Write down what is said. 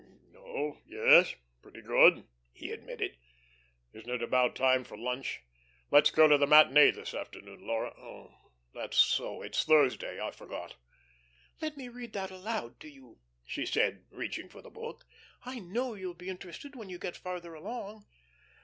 "Oh yes pretty good," he admitted. "Isn't it about time for lunch? Let's go to the matinee this afternoon, Laura. Oh, that's so, it's Thursday; I forgot." "Let me read that aloud to you," she said, reaching for the book. "I know you'll be interested when you get farther along."